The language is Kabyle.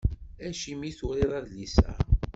Acimi i turiḍ adlis-a?